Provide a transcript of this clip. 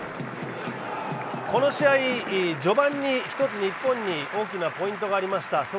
この試合、序盤に１つ日本に大きなポイントがありました。